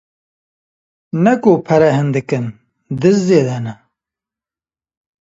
Ne ku pere hindik in, diz zêde ne.